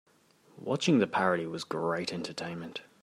Watching the parody was great entertainment.